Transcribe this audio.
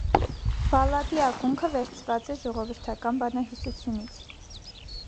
Բալլադի ակունքը վերցրված է ժողովրդական բանահյուսությունից։